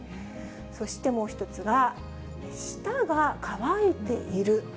そしてもう１つが、舌が乾いている。